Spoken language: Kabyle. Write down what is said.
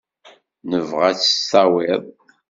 Nebɣa ad tt-tawiḍ.